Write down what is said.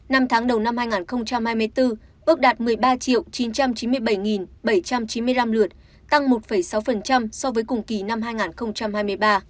năm tháng đầu năm hai nghìn hai mươi bốn ước đạt một mươi ba chín trăm chín mươi bảy bảy trăm chín mươi năm lượt tăng một sáu so với cùng kỳ năm hai nghìn hai mươi ba